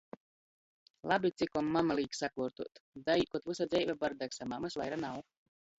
Labi, cikom mama līk sakuortuot. Daīt, kod vysa dzeive bardaks, a mamys vaira nav.